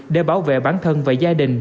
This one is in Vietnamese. để bảo vệ bản thân và gia đình